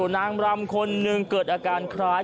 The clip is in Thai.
นางรำคนหนึ่งเกิดอาการคล้าย